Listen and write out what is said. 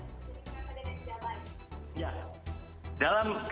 jadi kenapa dengan tidak baik